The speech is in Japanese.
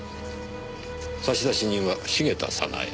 差出人は茂田早奈江。